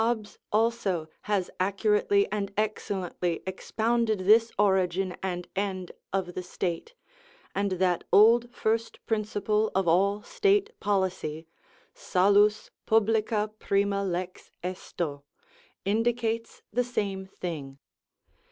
Hobbes also has accurately and excellently expounded this origin and end of the state; and that old first principle of all state policy, salus publica prima lex esto, indicates the same thing.